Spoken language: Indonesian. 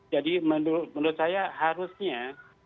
jadi menurut saya harusnya